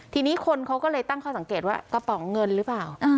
ทีนี้คนเขาก็เลยตั้งข้อสังเกตว่ากระป๋องเงินหรือเปล่า